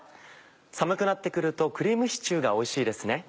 寒くなって来るとクリームシチューがおいしいですね。